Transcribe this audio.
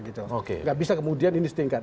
tidak bisa kemudian ini setingkat